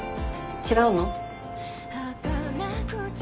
違うの？